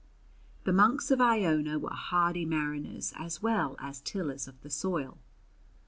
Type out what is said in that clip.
The monks of Iona were hardy mariners as well as tillers of the soil.